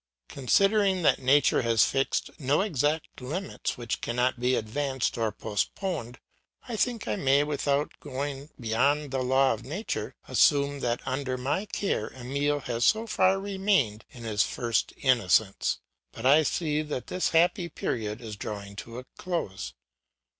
Considering that nature has fixed no exact limits which cannot be advanced or postponed, I think I may, without going beyond the law of nature, assume that under my care Emil has so far remained in his first innocence, but I see that this happy period is drawing to a close.